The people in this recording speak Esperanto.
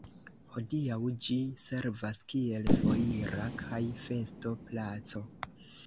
Hodiaŭ ĝi servas kiel foira kaj festo-placo.